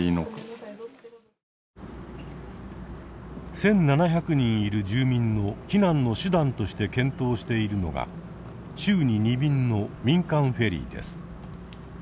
１，７００人いる住民の避難の手段として検討しているのが週に２便の民間フェリーです。